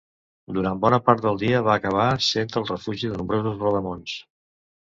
Durant bona part del dia va acabar sent el refugi de nombrosos rodamons.